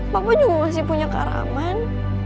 bapak juga masih punya karaman